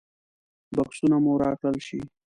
بکسونه مو راکړل شي.